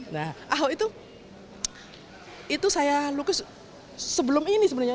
nah ahok itu itu saya lukis sebelum ini sebenarnya